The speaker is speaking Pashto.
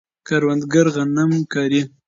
کروندګر غنم کري.